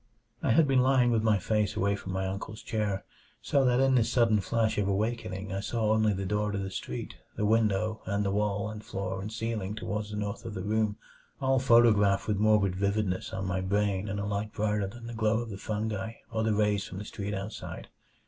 5 I had been lying with my face away from my uncle's chair, so that in this sudden flash of awakening I saw only the door to the street, the window, and the wall and floor and ceiling toward the north of the room, all photographed with morbid vividness on my brain in a light brighter than the glow of the fungi or the rays from the street outside.